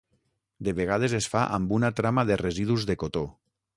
De vegades es fa amb una trama de residus de cotó.